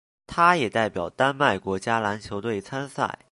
他也代表丹麦国家篮球队参赛。